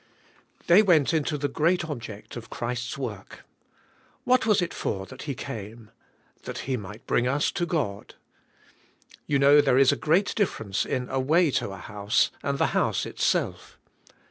They went into the great object of Christ's work. What was it for that He came? That He might bring us to God, " You know there is a great difference in a way to a house and the house itself.